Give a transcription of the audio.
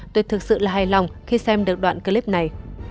tôi thực sự là hài lòng khi xem được đoạn clip này